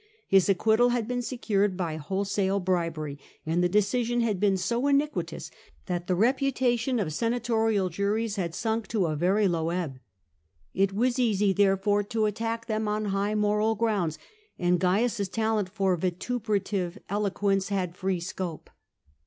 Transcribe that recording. His acquittal had been secured bj whole sale bribery, and the decision had been so iniquitous that the reputation of senatorial juries had sunk to a very low ebb. It was easy, therefore, to attack them on high moral grounds, and Caius's talent for vituperative eloquence had free scope.